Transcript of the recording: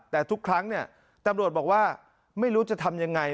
แต่ทุกครั้งตำรวจบอกว่าไม่รู้จะทำอย่างไร